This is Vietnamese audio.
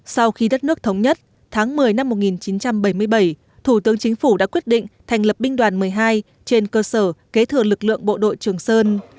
sau khi đất nước thống nhất tháng một mươi năm một nghìn chín trăm bảy mươi bảy thủ tướng chính phủ đã quyết định thành lập binh đoàn một mươi hai trên cơ sở kế thừa lực lượng bộ đội trường sơn